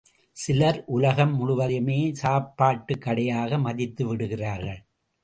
சிலர் உலகம் முழுவதையுமே சாப்பாட்டு கடையாக மதித்து விடுகிறார்கள்.